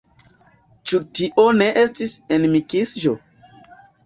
Ĉu tio ne estis enmiksiĝo?